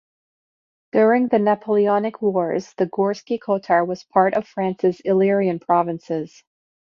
During the Napoleonic wars, the Gorski Kotar was part of France's Illyrian Provinces.